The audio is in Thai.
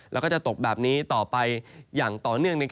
แล้วก็จะตกแบบนี้ต่อไปอย่างต่อเนื่อง